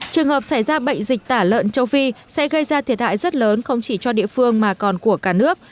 trường hợp xảy ra bệnh dịch tả lợn châu phi sẽ gây ra thiệt hại rất lớn không chỉ cho địa phương mà còn của cả nước